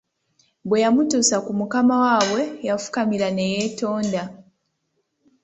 Bwe yamutuusa ku mukama waabwe yafukamira ne yeetonda.